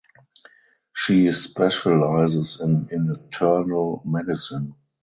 She specializes in internal medicine.